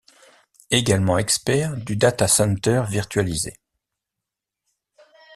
Également expert du datacenter virtualisé.